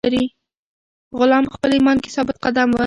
غلام په خپل ایمان کې ثابت قدم و.